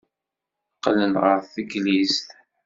Qqlen ɣer teklizt.